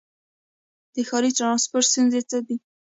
د ښاري ټرانسپورټ ستونزې څه دي؟